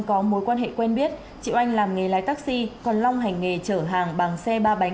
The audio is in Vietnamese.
có mối quan hệ quen biết chị oanh làm nghề lái taxi còn long hành nghề chở hàng bằng xe ba bánh